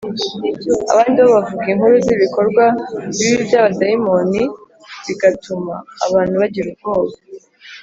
Abandi bo bavuga inkuru z’ibikorwa bibi by’abadayimoni bigatuma abantu bagira ubwoba